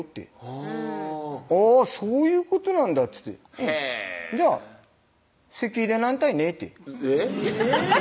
あぁ「あぁそういうことなんだ」っつって「じゃあ籍入れなんたいね」ってえぇっ